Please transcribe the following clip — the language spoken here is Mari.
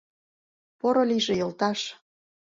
— Поро лийже, йолташ!